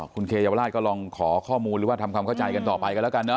คุณเคเยาวราชก็ลองขอข้อมูลหรือว่าทำความเข้าใจกันต่อไปกันแล้วกันเน